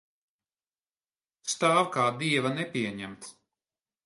Stāv kā dieva nepieņemts.